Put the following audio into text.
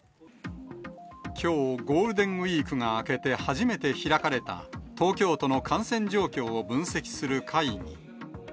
きょう、ゴールデンウィークが明けて初めて開かれた東京都の感染状況を分析する会議。